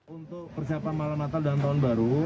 untuk persiapan malam natal dan tahun baru